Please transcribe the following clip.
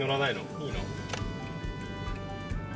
いいの？